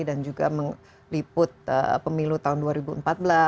dan juga meliput pemilu tahun dua ribu empat belas ya